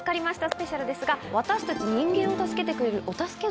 スペシャルですが、私たち人間を助けてくれるお助け